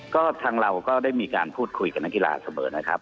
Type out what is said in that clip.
ก็ทางเราก็ได้มีการพูดคุยกับนักกีฬาเสมอนะครับ